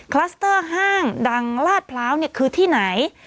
คลัสเตอร์ห้างดังลาดพร้าวคือที่ไหน